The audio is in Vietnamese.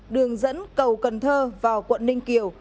đường dẫn cầu cần thơ vào quận ninh kiều